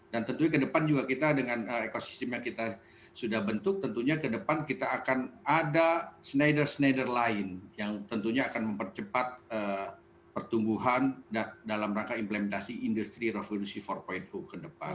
dan tentunya kedepan juga kita dengan ekosistem yang kita sudah bentuk tentunya kedepan kita akan ada schneider schneider lain yang tentunya akan mempercepat pertumbuhan dalam rangka implementasi industri revolusi empat kedepan